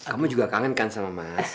kamu juga kangen kan sama mas